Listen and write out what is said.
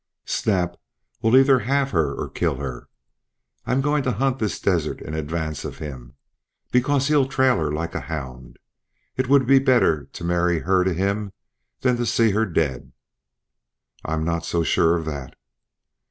Snap will either have her or kill her. I'm going to hunt this desert in advance of him, because he'll trail her like a hound. It would be better to marry her to him than to see her dead." "I'm not so sure of that."